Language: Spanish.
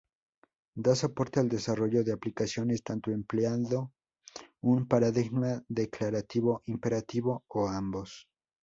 Da soporte al desarrollo de aplicaciones tanto empleando un paradigma declarativo, imperativo o ambos.